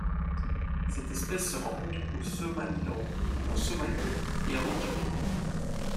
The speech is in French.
Cette espèce se rencontre au Somaliland en Somalie et en Éthiopie.